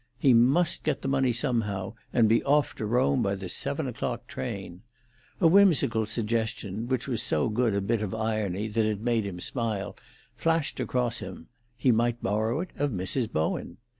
He must get the money somehow, and be off to Rome by the seven o'clock train. A whimsical suggestion, which was so good a bit of irony that it made him smile, flashed across him: he might borrow it of Mrs. Bowen.